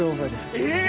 えっ！